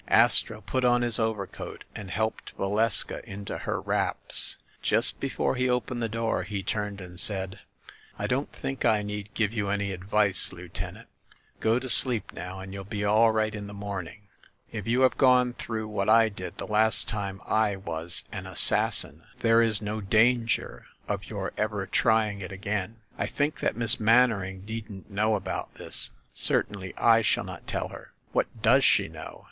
Astro put on his overcoat and helped Valeska into her wraps. Just be fore he opened the door, he turned and said : "I don't think I need give you any advice, Lieuten ant. Go to sleep now, and you'll be all right in the morning. If you have gone through what I did the last time I was an 'assassin,' there is no danger of your 270 THE MASTER OF MYSTERIES ever trying it again. I think that Miss Mannering needn't know about this, certainly I shall not tell her." "What does she know?